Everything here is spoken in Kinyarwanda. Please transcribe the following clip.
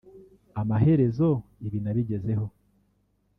Amaherezo ibi nabigezeho